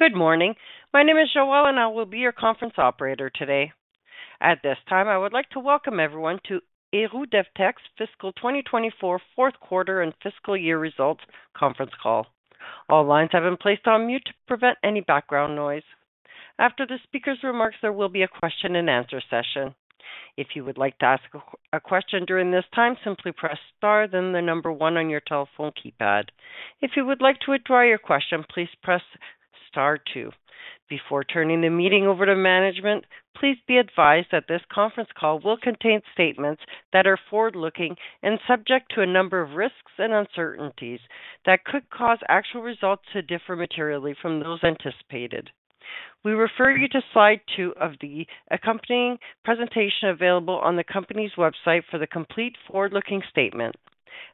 Good morning. My name is Joelle, and I will be your conference operator today. At this time, I would like to welcome everyone to Héroux-Devtek's Fiscal 2024 fourth quarter and fiscal year results conference call. All lines have been placed on mute to prevent any background noise. After the speaker's remarks, there will be a question-and-answer session. If you would like to ask a question during this time, simply press star, then the number 1 on your telephone keypad. If you would like to withdraw your question, please press star two. Before turning the meeting over to management, please be advised that this conference call will contain statements that are forward-looking and subject to a number of risks and uncertainties that could cause actual results to differ materially from those anticipated. We refer you to slide 2 of the accompanying presentation available on the company's website for the complete forward-looking statement.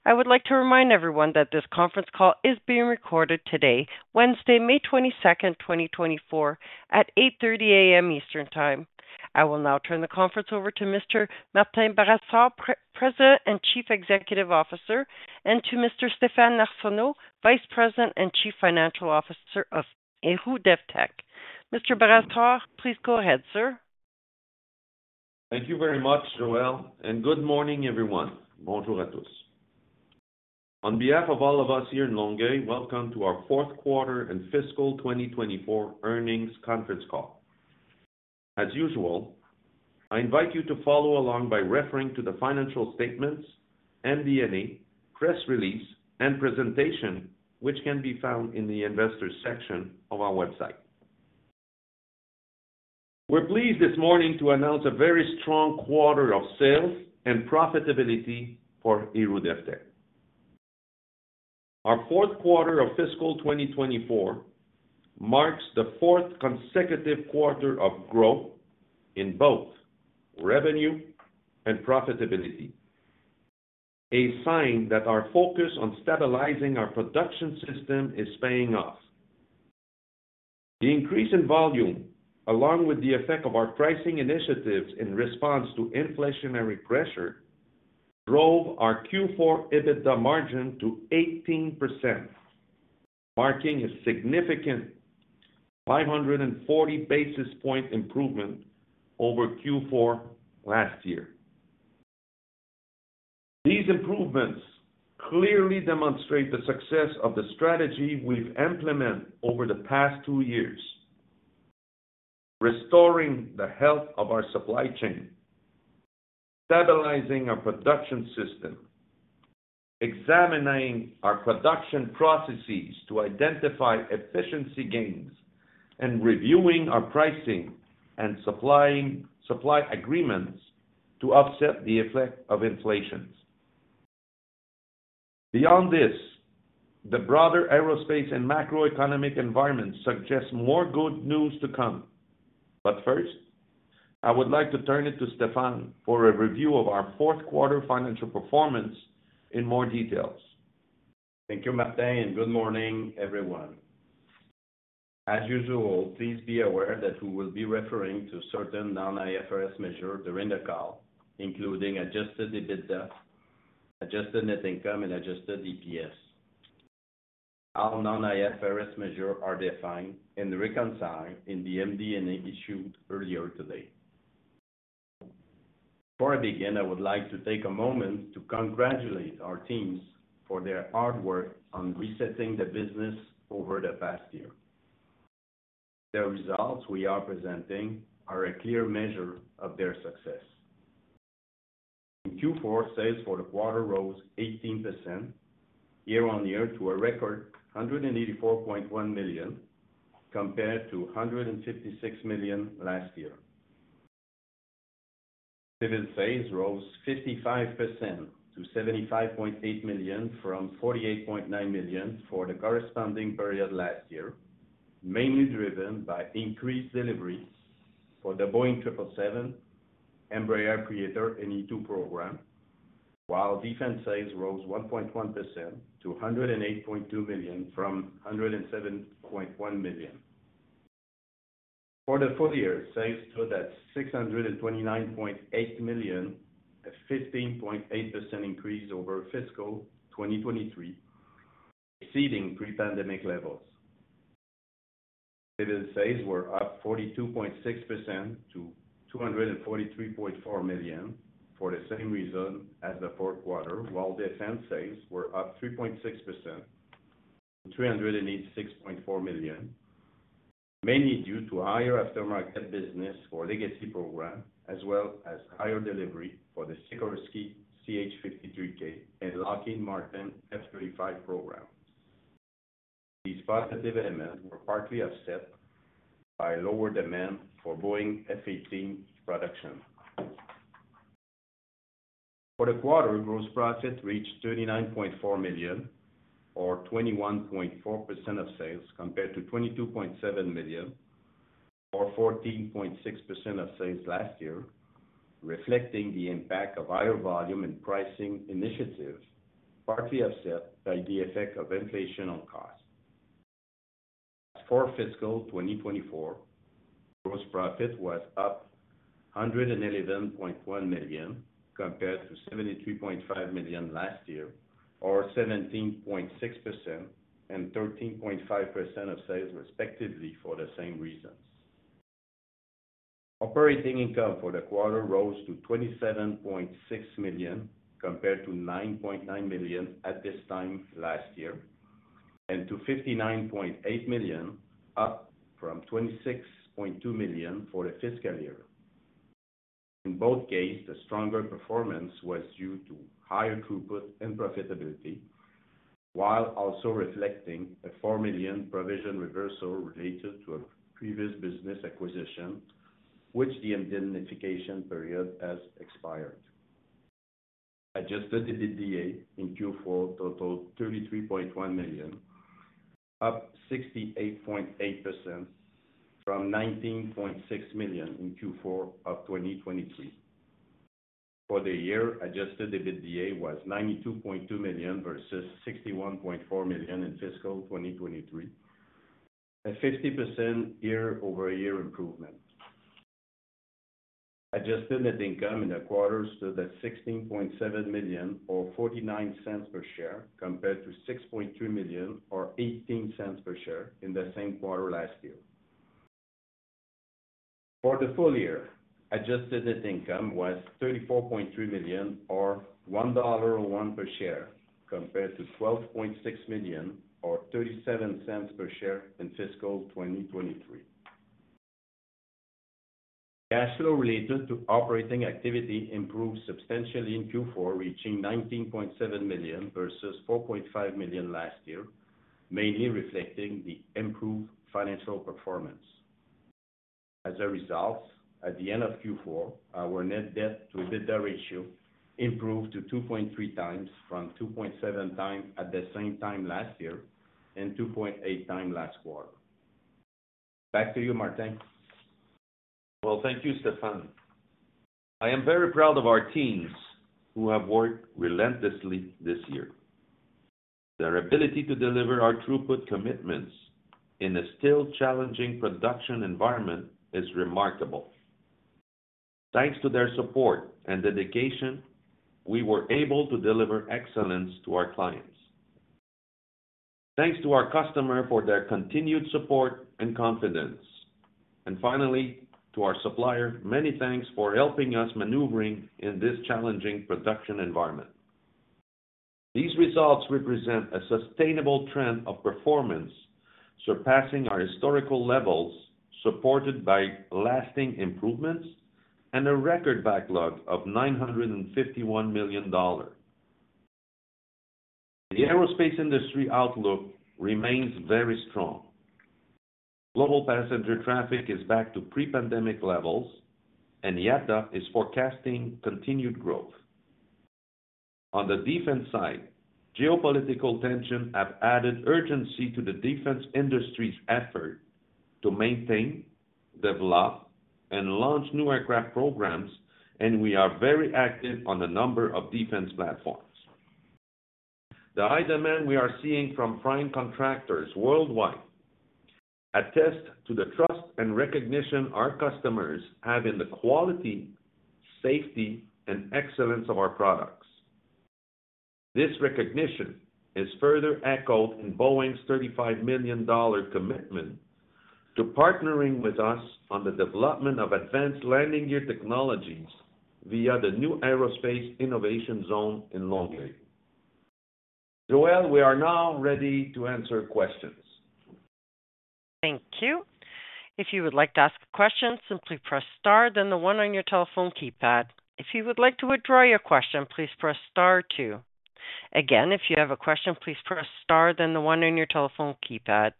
I would like to remind everyone that this conference call is being recorded today, Wednesday, May 22, 2024, at 8:30 A.M. Eastern Time. I will now turn the conference over to Mr. Martin Brassard, President and Chief Executive Officer, and to Mr. Stéphane Arsenault, Vice President and Chief Financial Officer of Héroux-Devtek. Mr. Brassard, please go ahead, sir. Thank you very much, Joelle, and good morning, everyone. Bonjour à tous. On behalf of all of us here in Longueuil, welcome to our fourth quarter and fiscal 2024 earnings conference call. As usual, I invite you to follow along by referring to the financial statements, MD&A, press release, and presentation, which can be found in the Investors section of our website. We're pleased this morning to announce a very strong quarter of sales and profitability for Héroux-Devtek. Our fourth quarter of fiscal 2024 marks the fourth consecutive quarter of growth in both revenue and profitability, a sign that our focus on stabilizing our production system is paying off. The increase in volume, along with the effect of our pricing initiatives in response to inflationary pressure, drove our Q4 EBITDA margin to 18%, marking a significant 540 basis point improvement over Q4 last year. These improvements clearly demonstrate the success of the strategy we've implemented over the past 2 years, restoring the health of our supply chain, stabilizing our production system, examining our production processes to identify efficiency gains, and reviewing our pricing and supply agreements to offset the effect of inflation. Beyond this, the broader aerospace and macroeconomic environment suggests more good news to come. But first, I would like to turn it to Stéphane for a review of our fourth quarter financial performance in more details. Thank you, Martin, and good morning, everyone. As usual, please be aware that we will be referring to certain non-IFRS measures during the call, including Adjusted EBITDA, adjusted net income, and Adjusted EPS. All non-IFRS measures are defined and reconciled in the MD&A issued earlier today. Before I begin, I would like to take a moment to congratulate our teams for their hard work on resetting the business over the past year. The results we are presenting are a clear measure of their success. In Q4, sales for the quarter rose 18% year-over-year to a record 184.1 million, compared to 156 million last year. Civil sales rose 55% to 75.8 million from 48.9 million for the corresponding period last year, mainly driven by increased deliveries for the Boeing 777, Embraer Praetor, and E2 program, while defense sales rose 1.1% to 108.2 million from 107.1 million. For the full year, sales stood at 629.8 million, a 15.8% increase over fiscal 2023, exceeding pre-pandemic levels. Civil sales were up 42.6% to 243.4 million for the same reason as the fourth quarter, while defense sales were up 3.6% to 386.4 million, mainly due to higher aftermarket business for legacy program, as well as higher delivery for the Sikorsky CH-53K and Lockheed Martin F-35 programs. These positive elements were partly offset by lower demand for Boeing F-18 production. For the quarter, gross profit reached 39.4 million, or 21.4% of sales, compared to 22.7 million, or 14.6% of sales last year, reflecting the impact of higher volume and pricing initiatives, partly offset by the effect of inflation on costs. As for fiscal 2024, gross profit was up 111.1 million, compared to 73.5 million last year, or 17.6% and 13.5% of sales, respectively, for the same reasons. Operating income for the quarter rose to 27.6 million, compared to 9.9 million at this time last year, and to 59.8 million, up from 26.2 million for the fiscal year. In both cases, the stronger performance was due to higher throughput and profitability, while also reflecting a 4 million provision reversal related to a previous business acquisition, which the indemnification period has expired. Adjusted EBITDA in Q4 totaled 33.1 million, up 68.8% from 19.6 million in Q4 of 2023. For the year, Adjusted EBITDA was 92.2 million versus 61.4 million in fiscal 2023, a 50% year-over-year improvement. Adjusted net income in the quarter stood at 16.7 million, or 0.49 per share, compared to 6.3 million, or 0.18 per share in the same quarter last year. For the full year, adjusted net income was 34.3 million or CAD 1.01 per share, compared to 12.6 million or 0.37 per share in fiscal 2023. Cash flow related to operating activity improved substantially in Q4, reaching 19.7 million versus 4.5 million last year, mainly reflecting the improved financial performance. As a result, at the end of Q4, our net debt to EBITDA ratio improved to 2.3 times from 2.7 times at the same time last year and 2.8 times last quarter. Back to you, Martin. Well, thank you, Stéphane. I am very proud of our teams who have worked relentlessly this year. Their ability to deliver our throughput commitments in a still challenging production environment is remarkable. Thanks to their support and dedication, we were able to deliver excellence to our clients. Thanks to our customer for their continued support and confidence. And finally, to our supplier, many thanks for helping us maneuvering in this challenging production environment. These results represent a sustainable trend of performance, surpassing our historical levels, supported by lasting improvements and a record backlog of 951 million dollars. The aerospace industry outlook remains very strong. Global passenger traffic is back to pre-pandemic levels, and IATA is forecasting continued growth. On the defense side, geopolitical tension have added urgency to the defense industry's effort to maintain, develop, and launch new aircraft programs, and we are very active on a number of defense platforms. The high demand we are seeing from prime contractors worldwide attest to the trust and recognition our customers have in the quality, safety, and excellence of our products. This recognition is further echoed in Boeing's $35 million commitment to partnering with us on the development of advanced landing gear technologies via the new Aerospace Innovation Zone in Longueuil. Joelle, we are now ready to answer questions. Thank you. If you would like to ask a question, simply press star, then the one on your telephone keypad. If you would like to withdraw your question, please press star two. Again, if you have a question, please press star, then the one on your telephone keypad.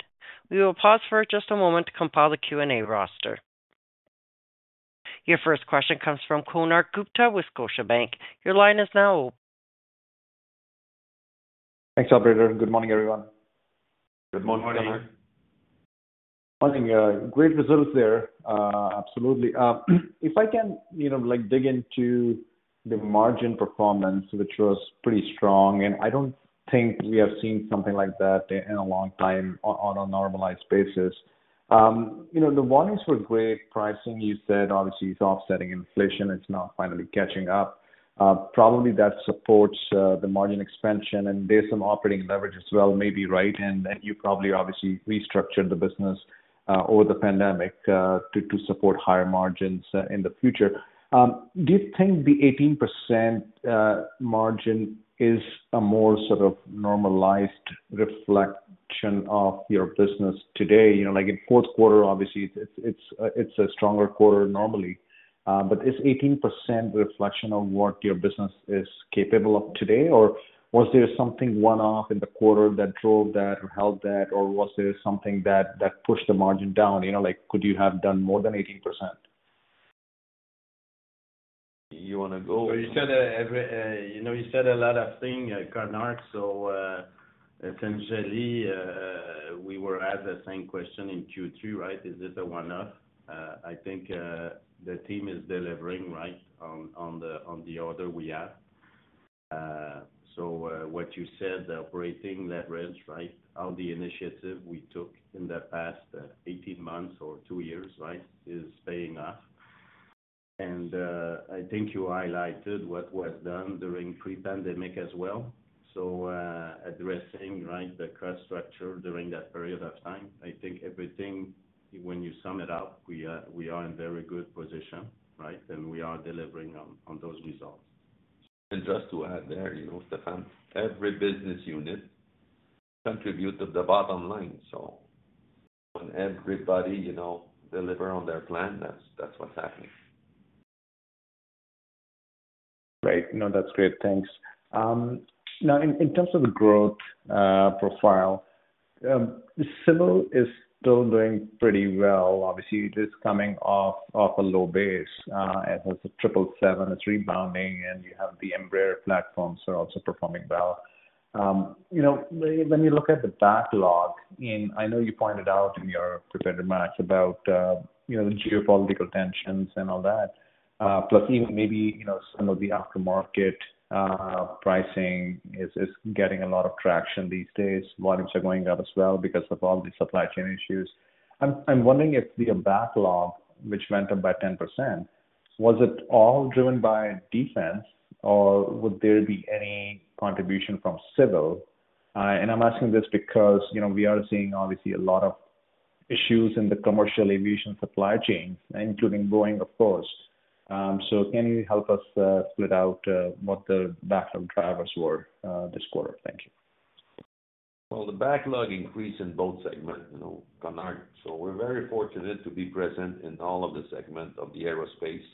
We will pause for just a moment to compile the Q&A roster. Your first question comes from Kunal Gupta with Scotiabank. Your line is now open. Thanks, operator. Good morning, everyone. Good morning. Good morning. Morning, great results there, absolutely. If I can, you know, like, dig into the margin performance, which was pretty strong, and I don't think we have seen something like that in a long time on, on a normalized basis. You know, the volumes were great. Pricing, you said, obviously, it's offsetting inflation. It's now finally catching up. Probably that supports, the margin expansion, and there's some operating leverage as well, maybe, right? And then you probably obviously restructured the business, over the pandemic, to, to support higher margins, in the future. Do you think the 18% margin is a more sort of normalized reflection of your business today? You know, like, in fourth quarter, obviously, it's, it's a, it's a stronger quarter normally. But is 18% reflection on what your business is capable of today, or was there something one-off in the quarter that drove that or helped that or was there something that, that pushed the margin down? You know, like, could you have done more than 18%? You wanna go? Well, you said, you know, you said a lot of things, Kunal. So, essentially, we were asked the same question in Q3, right? Is this a one-off? I think the team is delivering right on the order we have.... so, what you said, operating leverage, right? All the initiative we took in the past 18 months or 2 years, right, is paying off. I think you highlighted what was done during pre-pandemic as well. So, addressing, right, the cost structure during that period of time, I think everything, when you sum it up, we are in very good position, right? And we are delivering on those results. Just to add there, you know, Stéphane, every business unit contribute to the bottom line, so when everybody, you know, deliver on their plan, that's, that's what's happening. Great. No, that's great. Thanks. Now in terms of the growth profile, civil is still doing pretty well. Obviously, it is coming off a low base, as a 777, it's rebounding, and you have the Embraer platforms are also performing well. You know, when you look at the backlog in—I know you pointed out in your prepared remarks about, you know, the geopolitical tensions and all that, plus even maybe, you know, some of the aftermarket pricing is getting a lot of traction these days. Volumes are going up as well because of all the supply chain issues. I'm wondering if the backlog, which went up by 10%, was it all driven by defense, or would there be any contribution from civil? And I'm asking this because, you know, we are seeing obviously a lot of issues in the commercial aviation supply chain, including Boeing, of course. So can you help us split out what the backlog drivers were this quarter? Thank you. Well, the backlog increased in both segments, you know, Kunal. So we're very fortunate to be present in all of the segments of the aerospace,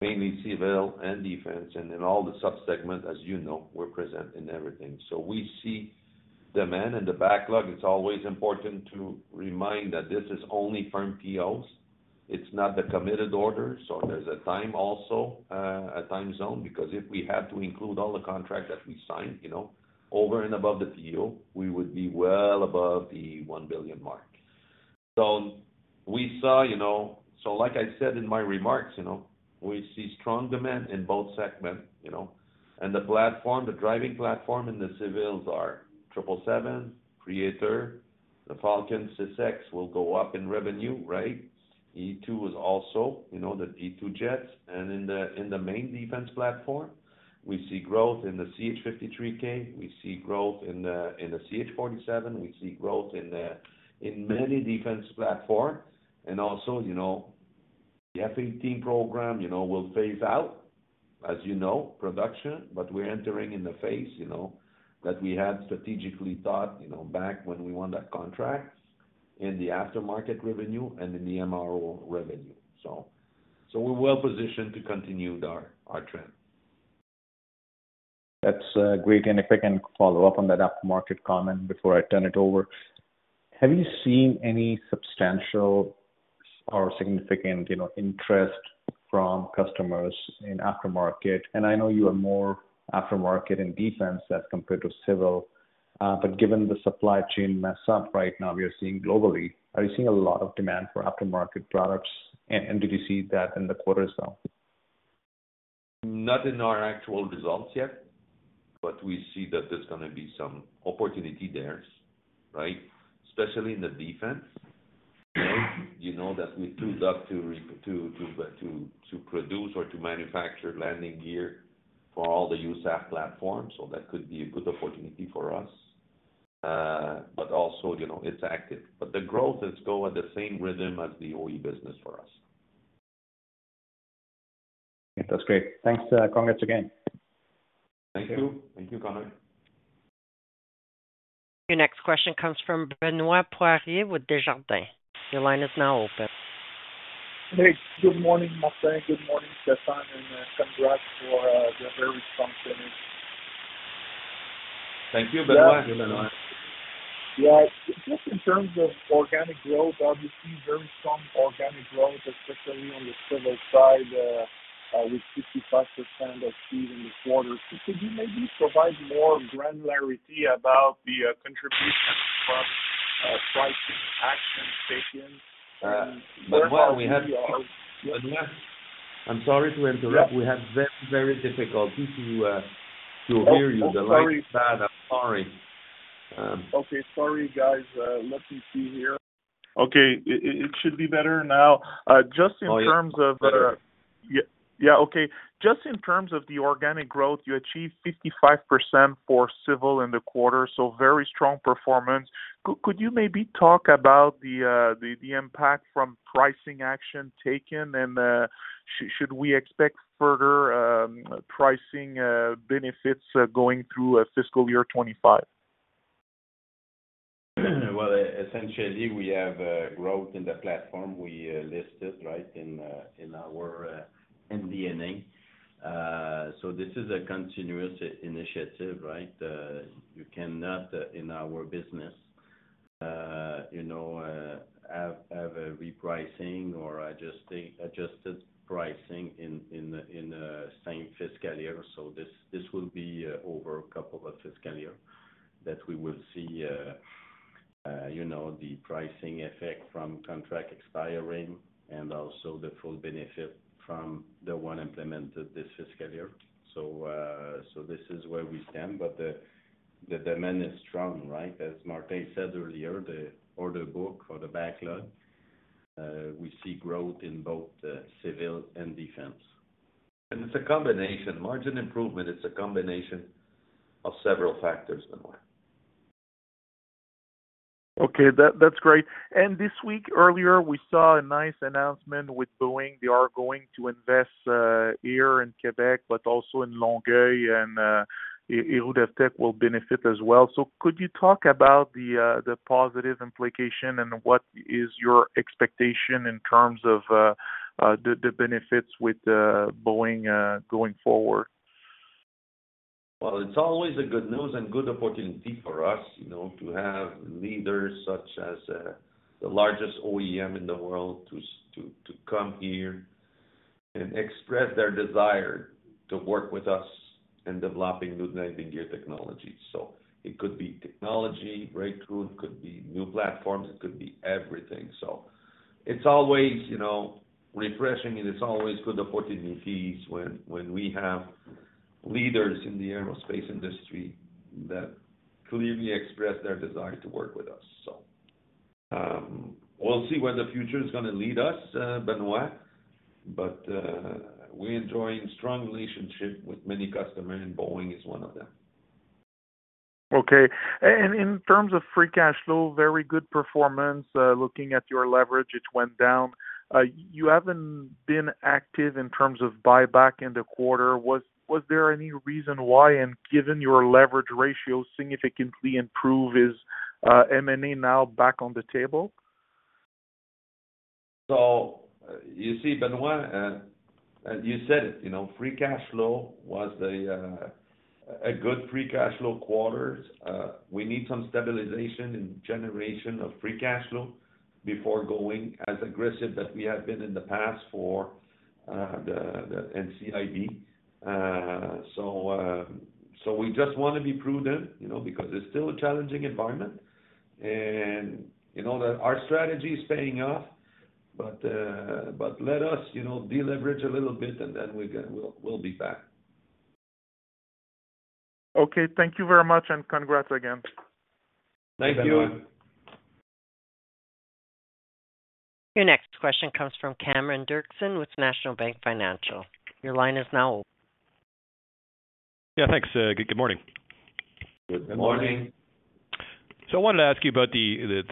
mainly civil and defense, and in all the sub-segments, as you know, we're present in everything. So we see demand in the backlog. It's always important to remind that this is only firm POs. It's not the committed order, so there's a time also, a time zone, because if we had to include all the contract that we signed, you know, over and above the PO, we would be well above the 1 billion mark. So we saw, you know, so like I said in my remarks, you know, we see strong demand in both segments, you know, and the platform, the driving platform in the civils are 777, Praetor, the Falcon 6X will go up in revenue, right? E2 is also, you know, the E2 jets. And in the, in the main defense platform, we see growth in the CH-53K, we see growth in the, in the CH-47, we see growth in the, in many defense platforms. And also, you know, the F-18 program, you know, will phase out, as you know, production, but we're entering in the phase, you know, that we had strategically thought, you know, back when we won that contract, in the aftermarket revenue and in the MRO revenue. So, so we're well positioned to continue our, our trend. That's great. If I can follow up on that aftermarket comment before I turn it over. Have you seen any substantial or significant, you know, interest from customers in aftermarket? And I know you are more aftermarket in defense as compared to civil, but given the supply chain mess up right now, we are seeing globally, are you seeing a lot of demand for aftermarket products, and did you see that in the quarter as well? Not in our actual results yet, but we see that there's gonna be some opportunity there, right? Especially in the defense, right? You know, that we too got to produce or to manufacture landing gear for all the USAF platforms, so that could be a good opportunity for us. But also, you know, it's active. But the growth is go at the same rhythm as the OE business for us. That's great. Thanks. Congrats again. Thank you. Thank you, Kunal. Your next question comes from Benoit Poirier with Desjardins. Your line is now open. Hey, good morning, Martin, good morning, Stéphane, and congrats for the very strong finish. Thank you, Benoit. Good morning. Yeah. Just in terms of organic growth, obviously very strong organic growth, especially on the civil side, with 55% of fees in the quarter. Could you maybe provide more granularity about the contribution from pricing actions taken? Well, we have- Yes. I'm sorry to interrupt. Yeah. We have very, very difficulty to, to hear you. Oh, oh, sorry. The line is bad. I'm sorry. Okay. Sorry, guys, let me see here. Okay, it should be better now. Just in terms of- Oh, yeah. Better. Yeah, yeah, okay. Just in terms of the organic growth, you achieved 55% for civil in the quarter, so very strong performance. Could you maybe talk about the impact from pricing action taken, and should we expect further pricing benefits going through fiscal year 2025? Well, essentially, we have growth in the platform we listed, right, in our DNA. So this is a continuous initiative, right? You cannot, in our business, you know, have a repricing or adjusting, adjusted pricing in the same fiscal year. So this will be over a couple of fiscal year that we will see, you know, the pricing effect from contract expiring and also the full benefit from the one implemented this fiscal year. So this is where we stand, but the demand is strong, right? As Martin said earlier, the order book or the backlog, we see growth in both the civil and defense. And it's a combination. Margin improvement, it's a combination of several factors, Benoit. Okay, that's great. Earlier this week, we saw a nice announcement with Boeing. They are going to invest here in Quebec, but also in Longueuil, and Héroux-Devtek will benefit as well. Could you talk about the positive implication, and what is your expectation in terms of the benefits with Boeing going forward? Well, it's always a good news and good opportunity for us, you know, to have leaders such as the largest OEM in the world to come here and express their desire to work with us in developing new landing gear technologies. So it could be technology breakthrough, it could be new platforms, it could be everything. So it's always, you know, refreshing, and it's always good opportunities when we have leaders in the aerospace industry that clearly express their desire to work with us. So we'll see where the future is gonna lead us, Benoit, but we're enjoying strong relationship with many customers, and Boeing is one of them. Okay. And in terms of free cash flow, very good performance. Looking at your leverage, it went down. You haven't been active in terms of buyback in the quarter. Was there any reason why? And given your leverage ratio significantly improve, is M&A now back on the table? So you see, Benoit, you said it, you know, free cash flow was a, a good free cash flow quarter. We need some stabilization and generation of free cash flow before going as aggressive that we have been in the past for, the, the NCIB. So, so we just want to be prudent, you know, because it's still a challenging environment. And you know that our strategy is paying off, but, but let us, you know, deleverage a little bit, and then we're gonna-- we'll, we'll be back. Okay, thank you very much, and congrats again. Thank you. Your next question comes from Cameron Doerksen with National Bank Financial. Your line is now open. Yeah, thanks. Good, good morning. Good morning. Good morning. So I wanted to ask you about the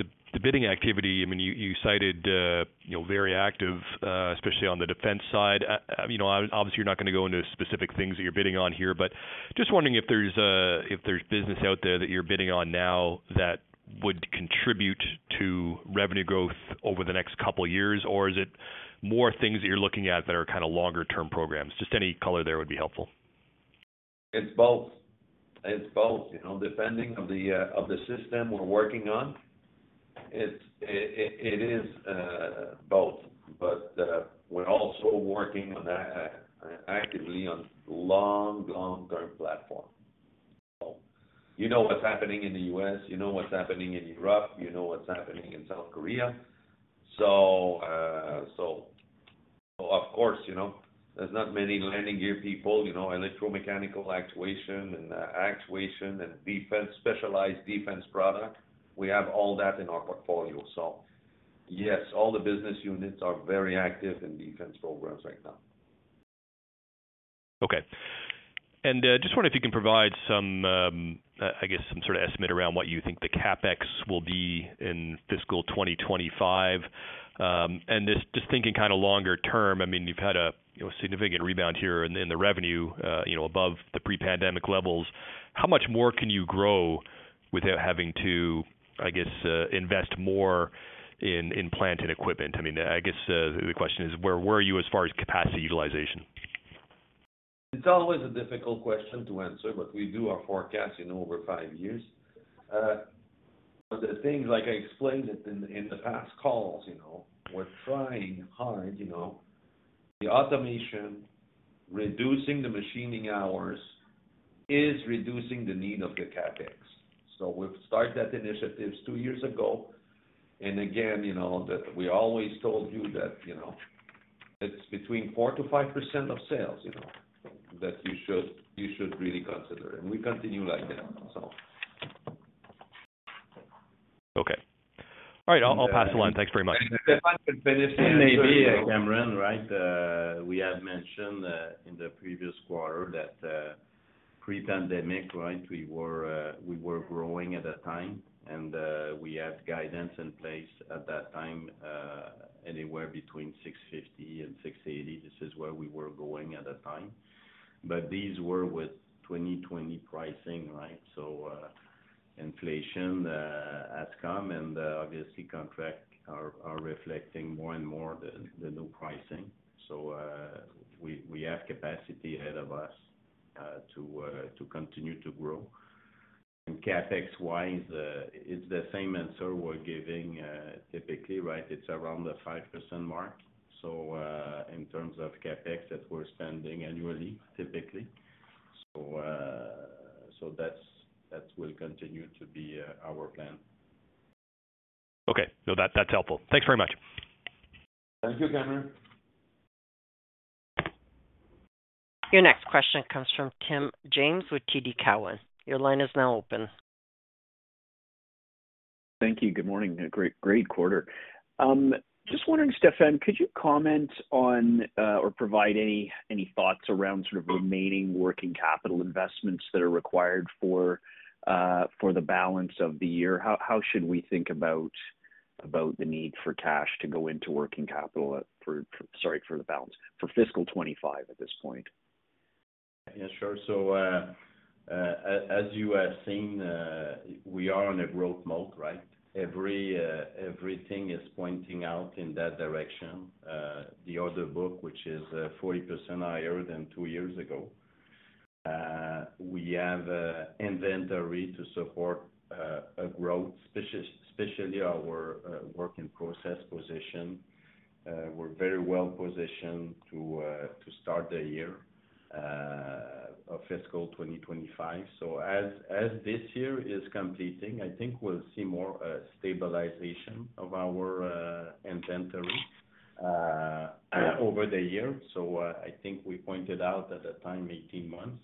bidding activity. I mean, you cited you know very active, especially on the defense side. You know, obviously, you're not gonna go into specific things that you're bidding on here, but just wondering if there's if there's business out there that you're bidding on now that would contribute to revenue growth over the next couple of years, or is it more things that you're looking at that are kind of longer term programs? Just any color there would be helpful. It's both. It's both, you know, depending on the system we're working on, it's both. But we're also working on that actively on long-term platform. So you know what's happening in the US, you know what's happening in Europe, you know what's happening in South Korea. So, of course, you know, there's not many landing gear people, you know, electromechanical actuation and actuation and defense, specialized defense product. We have all that in our portfolio. So yes, all the business units are very active in defense programs right now. Okay. And just wonder if you can provide some, I guess, some sort of estimate around what you think the CapEx will be in fiscal 2025. And just thinking kind of longer term, I mean, you've had a, you know, significant rebound here in the, the revenue, you know, above the pre-pandemic levels. How much more can you grow without having to, I guess, invest more in, in plant and equipment? I mean, I guess, the question is, where, where are you as far as capacity utilization? It's always a difficult question to answer, but we do our forecast, you know, over five years. But the things, like I explained it in, in the past calls, you know, we're trying hard, you know, the automation, reducing the machining hours is reducing the need of the CapEx. So we've started that initiatives two years ago, and again, you know, that we always told you that, you know, it's between 4%-5% of sales, you know, that you should, you should really consider, and we continue like that, so. Okay. All right, I'll pass the line. Thanks very much. Stéphane can finish maybe- Cameron, right, we had mentioned in the previous quarter that pre-pandemic, right, we were growing at that time, and we had guidance in place at that time, anywhere between 650 and 680. This is where we were growing at that time. But these were with 2020 pricing, right? So, inflation has come, and obviously contracts are reflecting more and more the new pricing. So, we have capacity ahead of us to continue to grow. And CapEx-wise, it's the same answer we're giving typically, right? It's around the 5% mark. So, in terms of CapEx that we're spending annually, typically.... So, that's that will continue to be our plan. Okay. No, that's helpful. Thanks very much. Thank you, Cameron. Your next question comes from Tim James with TD Cowen. Your line is now open. Thank you. Good morning, and great, great quarter. Just wondering, Stéphane, could you comment on, or provide any thoughts around sort of remaining working capital investments that are required for the balance of the year? How should we think about the need for cash to go into working capital for the balance for fiscal 2025 at this point? Yeah, sure. So, as you have seen, we are on a growth mode, right? Everything is pointing out in that direction. The order book, which is 40% higher than two years ago. We have inventory to support a growth, especially our work in process position. We're very well positioned to start the year of fiscal 2025. So as this year is completing, I think we'll see more stabilization of our inventory over the year. So, I think we pointed out at the time, 18 months.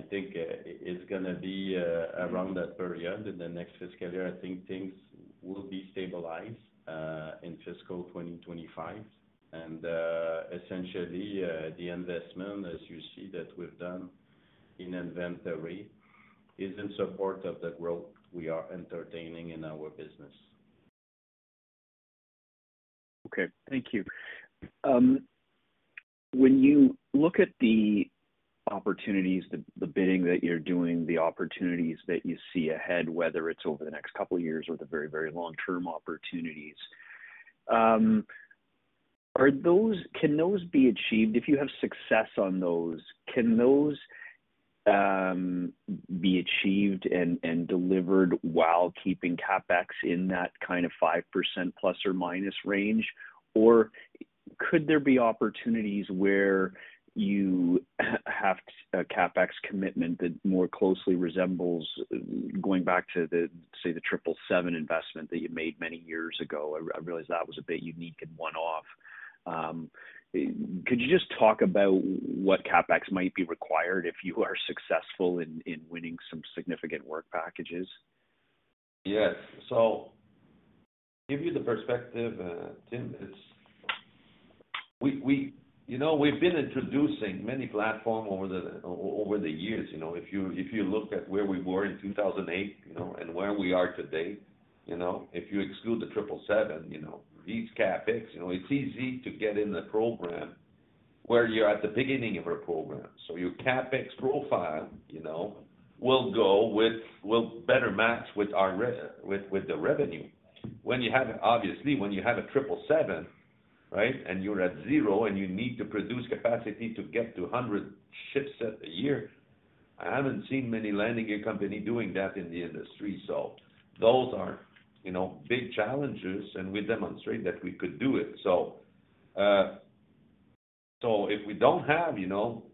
I think it's gonna be around that period in the next fiscal year. I think things will be stabilized in fiscal 2025. Essentially, the investment, as you see that we've done in inventory, is in support of the growth we are entertaining in our business. Okay. Thank you. When you look at the opportunities, the bidding that you're doing, the opportunities that you see ahead, whether it's over the next couple of years or the very, very long-term opportunities, are those—can those be achieved? If you have success on those, can those be achieved and delivered while keeping CapEx in that kind of 5% ± range? Or could there be opportunities where you have a CapEx commitment that more closely resembles going back to the, say, the 777 investment that you made many years ago? I realize that was a bit unique and one-off. Could you just talk about what CapEx might be required if you are successful in winning some significant work packages? Yes. So to give you the perspective, Tim, is we, we, you know, we've been introducing many platforms over the years, you know. If you, if you look at where we were in 2008, you know, and where we are today, you know, if you exclude the 777, you know, these CapEx, you know, it's easy to get in a program where you're at the beginning of a program. So your CapEx profile, you know, will go with... will better match with the revenue. When you have -- obviously, when you have a 777, right, and you're at zero, and you need to produce capacity to get to 100 ships a year, I haven't seen many landing gear companies doing that in the industry. So those are, you know, big challenges, and we demonstrate that we could do it. So, so if we don't have, you know,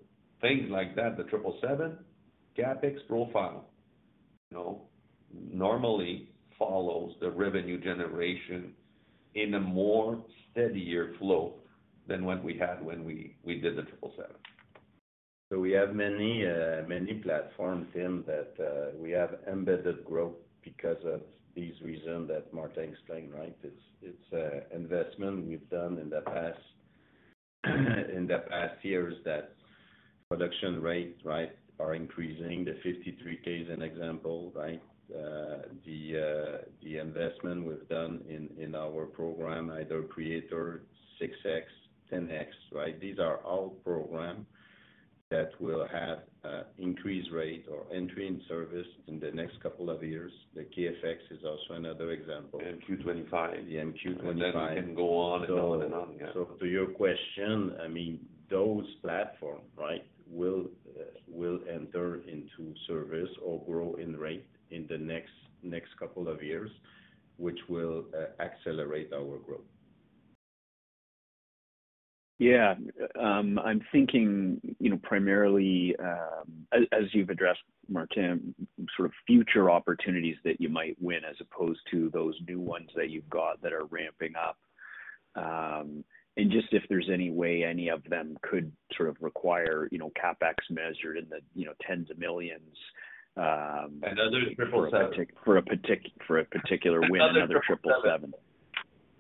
things like that, the 777, CapEx profile, you know, normally follows the revenue generation in a more steadier flow than what we had when we, we did the 777. So we have many, many platforms in that, we have embedded growth because of these reasons that Martin explained, right? It's, it's, investment we've done in the past, in the past years, that production rates, right, are increasing. The 53K is an example, right? The investment we've done in, in our program, either Praetor, 6X, 10X, right? These are all program that will have, increased rate or entry in service in the next couple of years. The KFX is also another example. In 2025. Yeah, in 2025. And then we can go on and on and on. Yeah. To your question, I mean, those platform, right, will enter into service or grow in rate in the next couple of years, which will accelerate our growth. Yeah. I'm thinking, you know, primarily, as, as you've addressed, Martin, sort of future opportunities that you might win as opposed to those new ones that you've got that are ramping up. And just if there's any way any of them could sort of require, you know, CapEx measured in the, you know, tens of millions CAD? Another 777. For a particular win, another 777.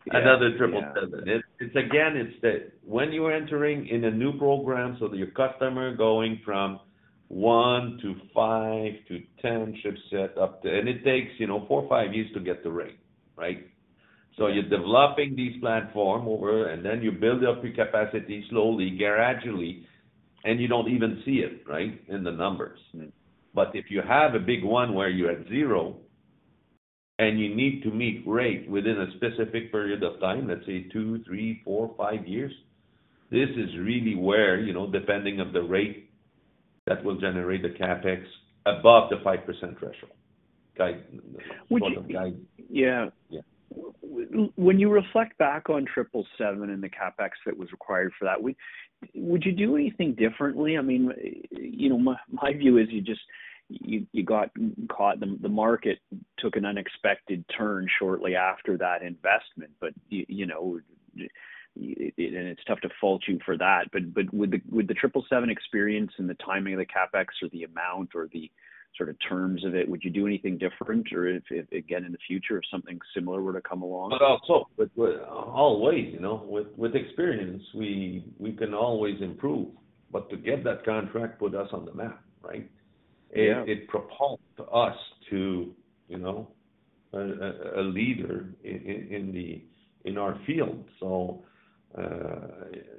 Another 777. Yeah. It's, again, it's the when you're entering in a new program, so your customer going from one to five to 10 ship sets up to and it takes, you know, four or five years to get the rate, right? So you're developing this platform over, and then you build up your capacity slowly, gradually, and you don't even see it, right, in the numbers. But if you have a big one where you're at zero, and you need to meet rate within a specific period of time, let's say 2, 3, 4, 5 years, this is really where, you know, depending of the rate, that will generate the CapEx above the 5% threshold. Yeah. When you reflect back on 777 and the CapEx that was required for that, would you do anything differently? I mean, you know, my view is you just got caught - the market took an unexpected turn shortly after that investment. But you know, and it's tough to fault you for that. But with the 777 experience and the timing of the CapEx or the amount or the sort of terms of it, would you do anything different or if, again, in the future, if something similar were to come along? But also, always, you know, with experience, we can always improve. But to get that contract put us on the map, right? Yeah. It propelled us to, you know, a leader in our field. So,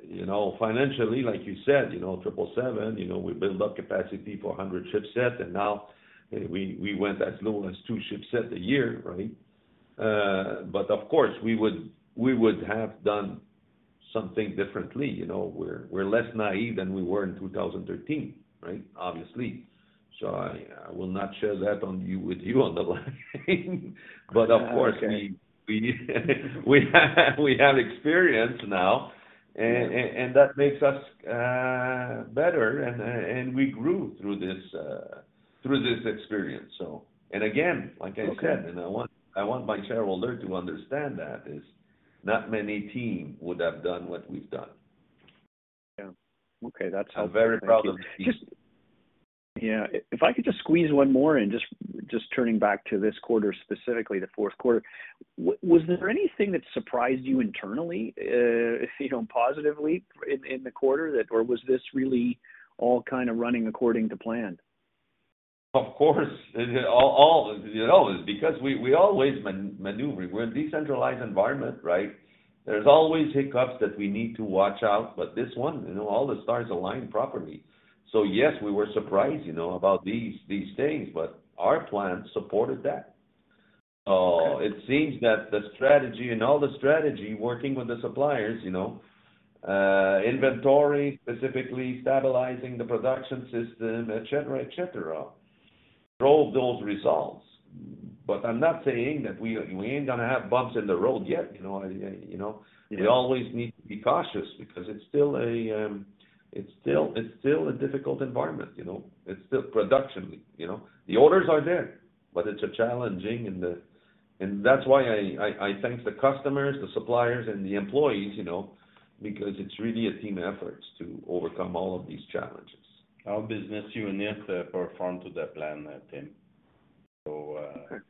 you know, financially, like you said, you know, 777, you know, we built up capacity for 100 ship sets, and now we went as low as 2 ship sets a year, right? But of course, we would have done something differently, you know. We're less naive than we were in 2013, right? Obviously. So I will not share that on you, with you on the line. But of course, we have experience now, and that makes us better, and we grew through this experience. So... And again, like I said, I want my shareholder to understand that is not many team would have done what we've done. Yeah. Okay, that's- I'm very proud of the team. Just... Yeah. If I could just squeeze one more in, just turning back to this quarter, specifically the fourth quarter. Was there anything that surprised you internally, you know, positively in the quarter, that or was this really all kind of running according to plan? Of course, it all, you know, because we always maneuvering. We're a decentralized environment, right? There's always hiccups that we need to watch out, but this one, you know, all the stars align properly. So yes, we were surprised, you know, about these things, but our plan supported that. So it seems that the strategy and all the strategy working with the suppliers, you know, inventory, specifically stabilizing the production system, et cetera, et cetera, drove those results. But I'm not saying that we ain't gonna have bumps in the road yet, you know? Yeah. We always need to be cautious because it's still a, it's still a difficult environment, you know? It's still production, you know. The orders are there, but it's a challenging and the... And that's why I thank the customers, the suppliers, and the employees, you know, because it's really a team effort to overcome all of these challenges. Our business unit performed to the plan, Tim. So, Okay.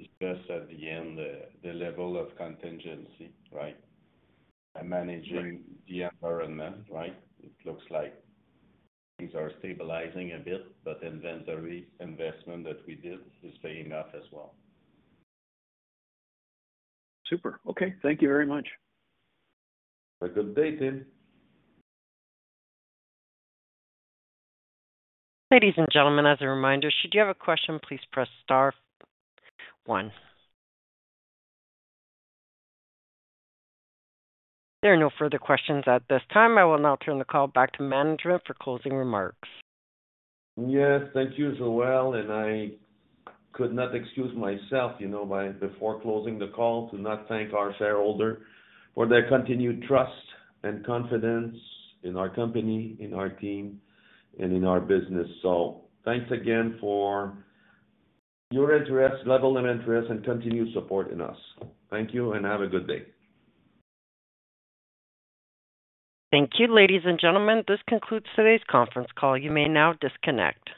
It's best at the end, the level of contingency, right? By managing the environment, right, it looks like things are stabilizing a bit, but inventory investment that we did is paying off as well. Super. Okay, thank you very much. Have a good day, Tim. Ladies and gentlemen, as a reminder, should you have a question, please press star one. There are no further questions at this time. I will now turn the call back to management for closing remarks. Yes, thank you, Joelle, and I could not excuse myself, you know, by before closing the call, to not thank our shareholder for their continued trust and confidence in our company, in our team, and in our business. So thanks again for your interest, level of interest and continued support in us. Thank you and have a good day. Thank you, ladies and gentlemen. This concludes today's conference call. You may now disconnect.